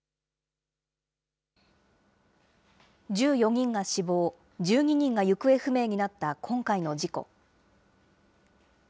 １４人が死亡、１２人が行方不明になった今回の事故。